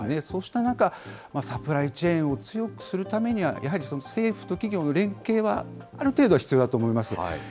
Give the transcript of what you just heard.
そうした中、サプライチェーンを強くするためには、やはり政府と企業の連携は、ある程度は必要だと思います。